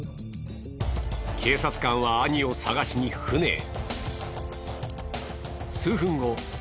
警察官は兄を捜しに船へ。